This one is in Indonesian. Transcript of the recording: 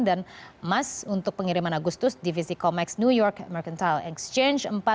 dan emas untuk pengiriman agustus divisi comex new york mercantile exchange